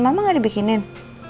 mama gak dibikinin